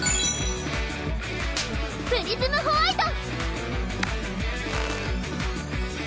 プリズムホワイト！